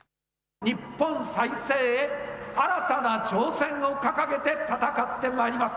日本再生へ新たな挑戦を掲げて戦ってまいります。